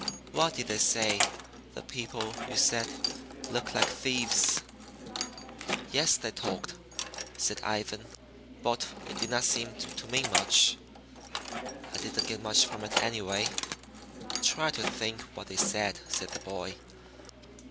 What did they say? The people you said looked like thieves." "Yes, they talked," said Ivan, "but it did not seem to mean much. I didn't get much from it anyway." "Try to think what they said," said the boy.